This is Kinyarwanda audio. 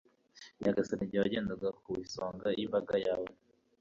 nyagasani, igihe wagendaga ku isonga y'imbaga yawe